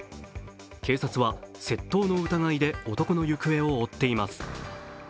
警察は窃盗の疑いで男の行方を追っています。